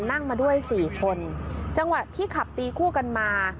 นั่งมาด้วยสี่คนจังหวะที่ขับตีคู่กันมา